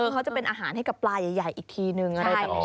เขาจะเป็นอาหารให้กับปลาใหญ่อีกทีนึง